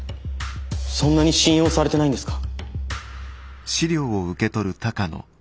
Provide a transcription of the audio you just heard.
そんなに信用されてないんですか？